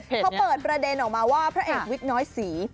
เขาเปิดประเด็นออกมาว่าพระเอกวิกน้อยศรี